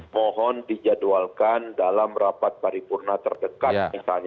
mohon dijadwalkan dalam rapat paripurna terdekat